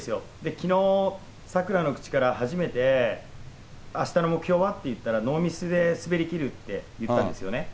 きのう、さくらの口から初めて、あしたの目標は？って言ったら、ノーミスで滑りきるって言ったんですよね。